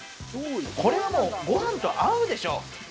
これは、もう、ご飯と合うでしょう。